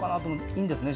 いいんですね。